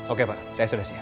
oke pak saya sudah siap